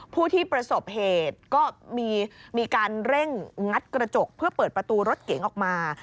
ผู้ที่ประสบเหตุก็มีการเร่งงัดกระจกเพื่อเปิดประตูรถเก๋งออกมา